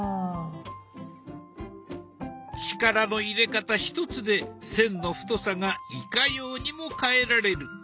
力の入れ方ひとつで線の太さがいかようにも変えられる。